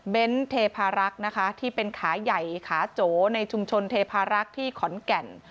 เป็นเทพารักษ์นะคะที่เป็นขาใหญ่ขาโจในชุมชนเทพารักษ์ที่ขอนแก่น